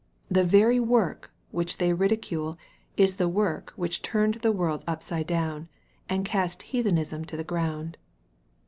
The very work which they ridi cule is the work which turned the world upside down, and cast heathenism to the ground.